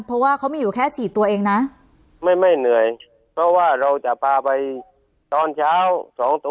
เพราะว่าเขามีอยู่แค่สี่ตัวเองนะไม่ไม่เหนื่อยเพราะว่าเราจะพาไปตอนเช้าสองตัว